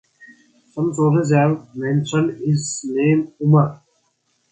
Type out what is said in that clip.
Some sources have mentioned his name Umar.